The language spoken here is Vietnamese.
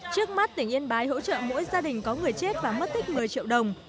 trước mắt tỉnh yên bái hỗ trợ mỗi gia đình có người chết và mất tích một mươi triệu đồng